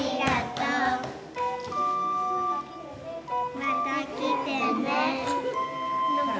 また来てね。